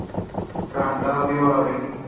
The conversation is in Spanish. Cantábrico, av.